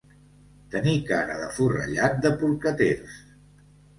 Tenir cara de forrellat de porcaters.